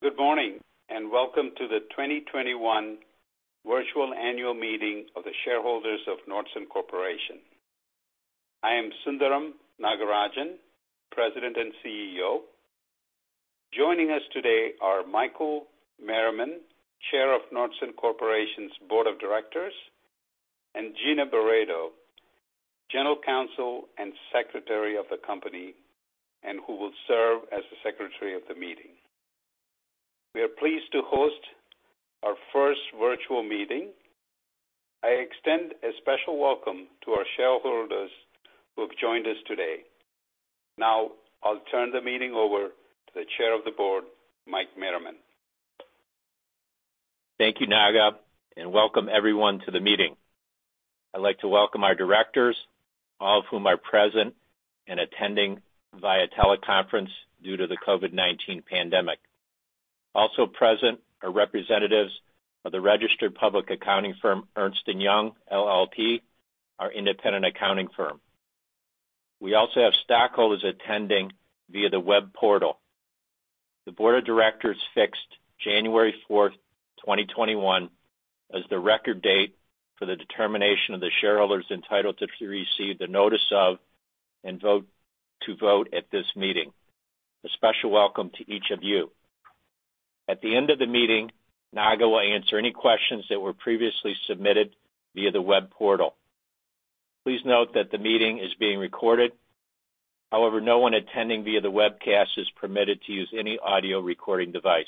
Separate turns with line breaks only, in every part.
Good morning and welcome to the 2021 Virtual Annual Meeting of the Shareholders of Nordson Corporation. I am Sundaram Nagarajan, President and CEO. Joining us today are Michael Merriman, Chair of Nordson Corporation's Board of Directors, and Gina Beredo, General Counsel and Secretary of the Company, who will serve as the Secretary of the Meeting. We are pleased to host our first virtual meeting. I extend a special welcome to our shareholders who have joined us today. Now, I'll turn the meeting over to the Chair of the Board, Mike Merriman.
Thank you, Naga, and welcome everyone to the meeting. I'd like to welcome our directors, all of whom are present and attending via teleconference due to the COVID-19 pandemic. Also present are representatives of the independent registered public accounting firm, Ernst & Young LLP, our independent accounting firm. We also have stockholders attending via the web portal. The Board of Directors fixed January 4th, 2021, as the record date for the determination of the shareholders entitled to receive the notice of and vote at this meeting. A special welcome to each of you. At the end of the meeting, Naga will answer any questions that were previously submitted via the web portal. Please note that the meeting is being recorded, however, no one attending via the webcast is permitted to use any audio recording device.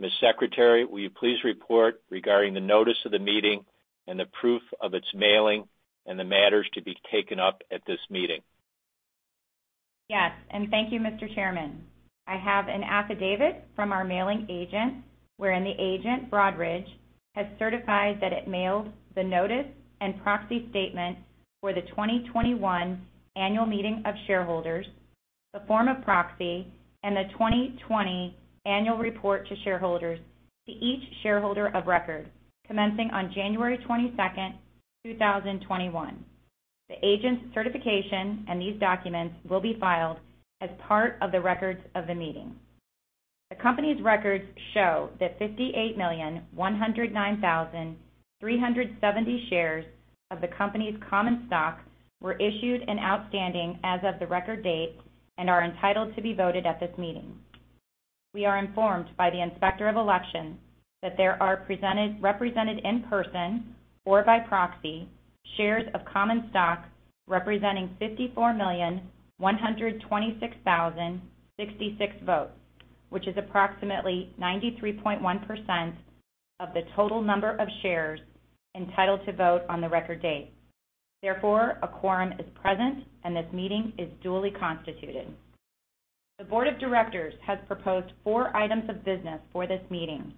Ms. Secretary, will you please report regarding the notice of the meeting and the proof of its mailing and the matters to be taken up at this meeting?
Yes, and thank you, Mr. Chairman. I have an affidavit from our mailing agent wherein the agent, Broadridge, has certified that it mailed the notice and proxy statement for the 2021 Annual Meeting of Shareholders, the form of proxy, and the 2020 Annual Report to Shareholders to each shareholder of record commencing on January 22nd, 2021. The agent's certification and these documents will be filed as part of the records of the meeting. The company's records show that 58,109,370 shares of the company's common stock were issued and outstanding as of the record date and are entitled to be voted at this meeting. We are informed by the Inspector of Elections that there are represented in person or by proxy shares of common stock representing 54,126,066 votes, which is approximately 93.1% of the total number of shares entitled to vote on the record date. Therefore, a quorum is present and this meeting is duly constituted. The Board of Directors has proposed four items of business for this meeting,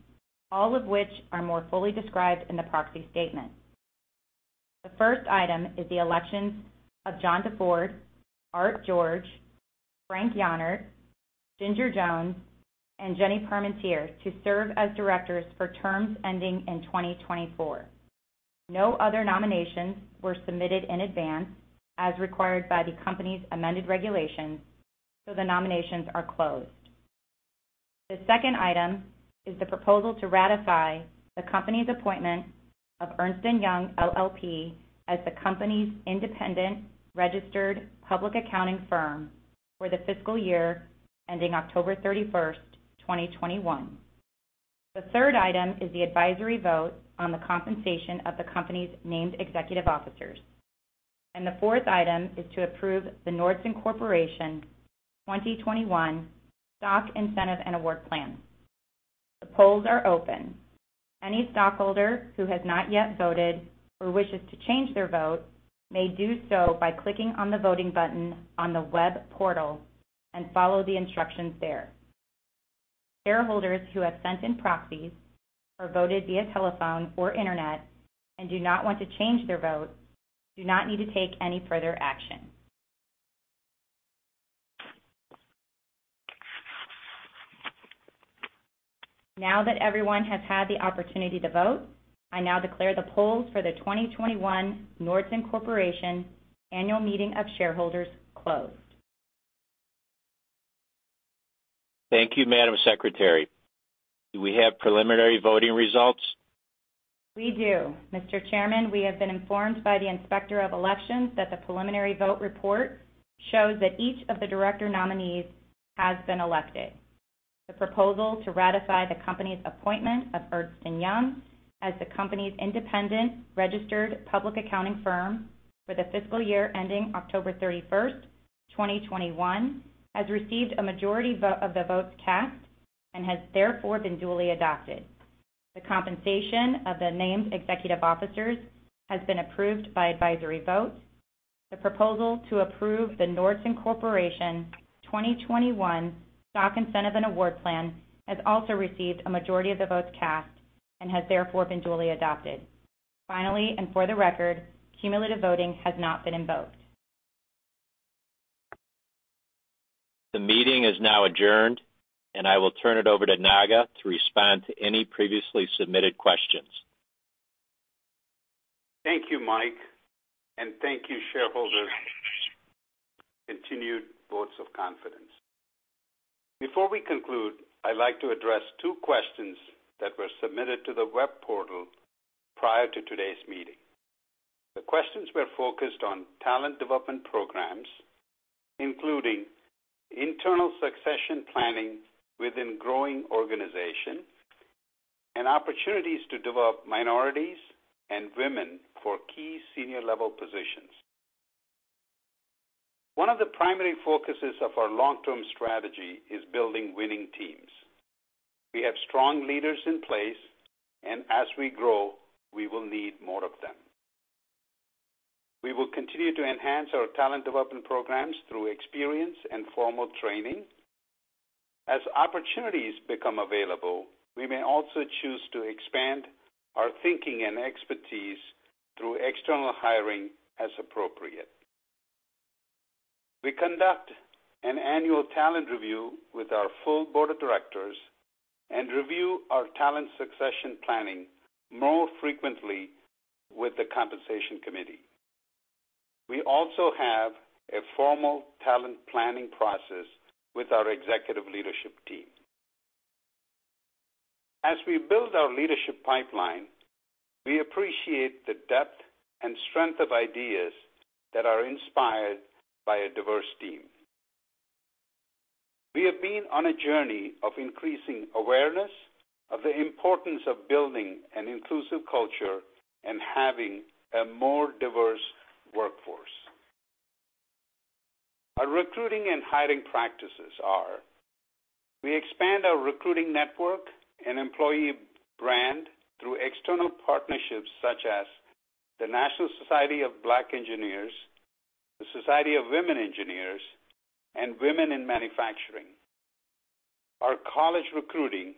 all of which are more fully described in the proxy statement. The first item is the election of John DeFord, Art George, Frank Jaehnert, Ginger Jones, and Jenny Parmentier to serve as directors for terms ending in 2024. No other nominations were submitted in advance as required by the company's amended regulations, so the nominations are closed. The second item is the proposal to ratify the company's appointment of Ernst & Young LLP as the company's independent registered public accounting firm for the fiscal year ending October 31st, 2021. The third item is the advisory vote on the compensation of the company's named executive officers. The fourth item is to approve the Nordson Corporation 2021 Stock Incentive and Award Plan. The polls are open. Any stockholder who has not yet voted or wishes to change their vote may do so by clicking on the voting button on the web portal and following the instructions there. Shareholders who have sent in proxies or voted via telephone or internet and do not want to change their vote do not need to take any further action. Now that everyone has had the opportunity to vote, I now declare the polls for the 2021 Nordson Corporation Annual Meeting of Shareholders closed.
Thank you, Madam Secretary. Do we have preliminary voting results?
We do. Mr. Chairman, we have been informed by the Inspector of Elections that the preliminary vote report shows that each of the director nominees has been elected. The proposal to ratify the company's appointment of Ernst & Young LLP as the company's independent registered public accounting firm for the fiscal year ending October 31st, 2021, has received a majority vote of the votes cast and has therefore been duly adopted. The compensation of the named executive officers has been approved by advisory vote. The proposal to approve the Nordson Corporation 2021 Stock Incentive and Award Plan has also received a majority of the votes cast and has therefore been duly adopted. Finally, and for the record, cumulative voting has not been invoked.
The meeting is now adjourned, and I will turn it over to Naga to respond to any previously submitted questions.
Thank you, Mike, and thank you, shareholders, for your continued votes of confidence. Before we conclude, I'd like to address two questions that were submitted to the web portal prior to today's meeting. The questions were focused on talent development programs, including internal succession planning within growing organizations, and opportunities to develop minorities and women for key senior-level positions. One of the primary focuses of our long-term strategy is building winning teams. We have strong leaders in place, and as we grow, we will need more of them. We will continue to enhance our talent development programs through experience and formal training. As opportunities become available, we may also choose to expand our thinking and expertise through external hiring as appropriate. We conduct an annual talent review with our full Board of Directors and review our talent succession planning more frequently with the Compensation Committee. We also have a formal talent planning process with our Executive Leadership Team. As we build our leadership pipeline, we appreciate the depth and strength of ideas that are inspired by a diverse team. We have been on a journey of increasing awareness of the importance of building an inclusive culture and having a more diverse workforce. Our recruiting and hiring practices are: we expand our recruiting network and employee brand through external partnerships such as the National Society of Black Engineers, the Society of Women Engineers, and Women in Manufacturing. Our college recruiting: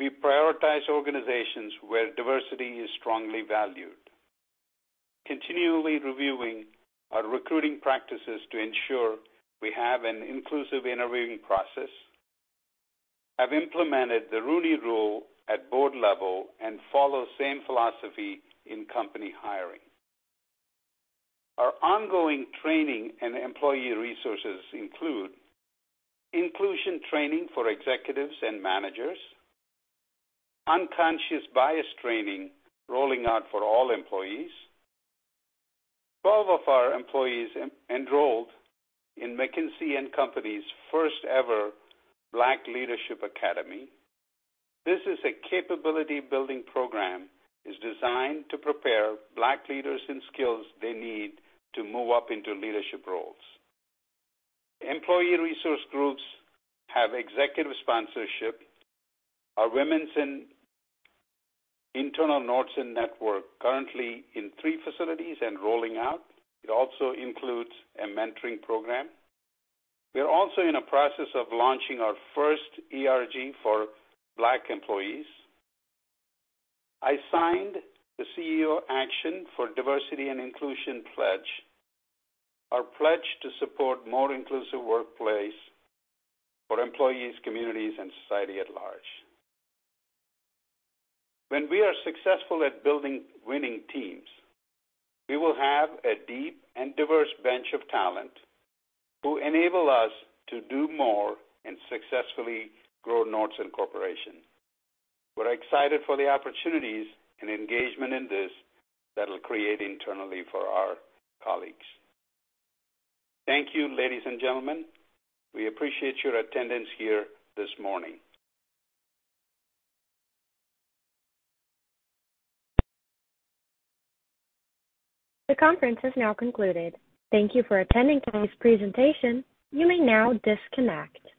we prioritize organizations where diversity is strongly valued, continually reviewing our recruiting practices to ensure we have an inclusive interviewing process. I have implemented the Rooney Rule at board level and follow the same philosophy in company hiring. Our ongoing training and employee resources include inclusion training for executives and managers, unconscious bias training rolling out for all employees. 12 of our employees enrolled in McKinsey & Company's first-ever Black Leadership Academy. This is a capability-building program designed to prepare Black leaders in skills they need to move up into leadership roles. Employee resource groups have executive sponsorship. Our Women's Internal Nordson Network is currently in three facilities and rolling out. It also includes a mentoring program. We are also in the process of launching our first ERG for Black employees. I signed the CEO Action for Diversity & Inclusion Pledge, our pledge to support a more inclusive workplace for employees, communities, and society at large. When we are successful at building winning teams, we will have a deep and diverse bench of talent who enable us to do more and successfully grow Nordson Corporation. We're excited for the opportunities and engagement in this that will create internally for our colleagues. Thank you, ladies and gentlemen. We appreciate your attendance here this morning.
The conference is now concluded. Thank you for attending today's presentation. You may now disconnect.